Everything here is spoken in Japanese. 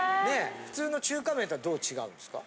普通の中華麺とはどう違うんですか？